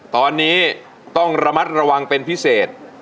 ตอนนี้ต้องระมัดระวังเป็นพิเศษ